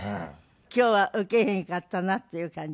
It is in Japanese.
今日はウケへんかったなっていう感じ？